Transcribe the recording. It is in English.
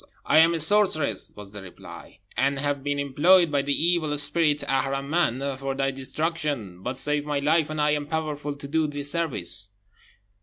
"I am a sorceress," was the reply, "and have been employed by the evil spirit Aharman for thy destruction; but save my life, and I am powerful to do thee service."